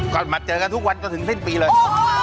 ก่อนมาเจอกันทุกวันก็ถึงเมื่อปีเลย